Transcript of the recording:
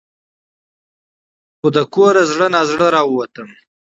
خو له کوره زړه نا زړه راوتم .